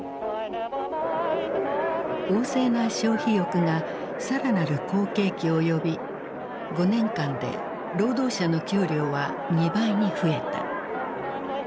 旺盛な消費欲が更なる好景気を呼び５年間で労働者の給料は２倍に増えた。